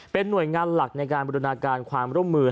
เป็นหน่วยงานหลักในการบรินาการความร่วมมือ